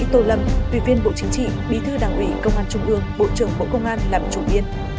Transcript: đại sĩ tô lâm tùy viên bộ chính trị bí thư đảng ủy công an trung ương bộ trưởng bộ công an làm chủ biến